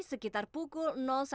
sekitar pukul satu tiga puluh